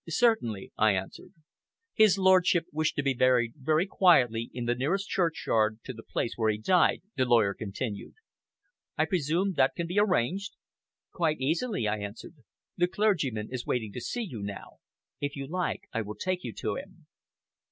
"Certainly," I answered. "His Lordship wished to be buried very quietly in the nearest churchyard to the place where he died," the lawyer continued. "I presume that can be arranged." "Quite easily," I answered. "The clergyman is waiting to see you now; if you like I will take you to him."